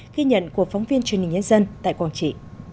ghi nhận của phóng viên truyền hình nhân dân tại quảng trị